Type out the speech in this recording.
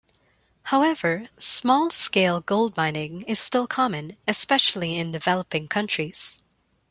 However, small-scale gold mining is still common, especially in developing countries.